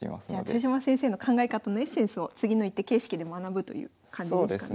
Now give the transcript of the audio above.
豊島先生の考え方のエッセンスを次の一手形式で学ぶという感じですかね。